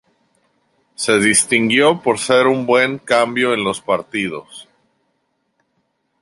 Se distinguió por ser un buen cambio en los partidos.